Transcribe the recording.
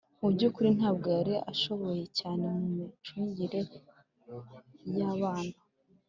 mu byukuri, ntabwo yari ashoboye cyane mu micungire y’abana